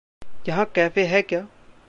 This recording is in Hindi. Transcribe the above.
यहाँ कैफ़े है क्या?